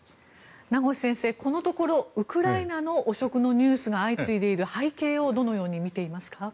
名越先生、このところウクライナの汚職のニュースが相次いでいる背景をどのように見ていますか？